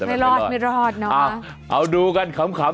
เอ้าเอาดูกันขำ